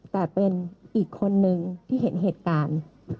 แต่เป็นอีกคนนึงที่เห็นเหตุการณ์